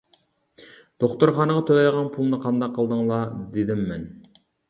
— دوختۇرخانىغا تۆلەيدىغان پۇلنى قانداق قىلدىڭلار، — دېدىم مەن.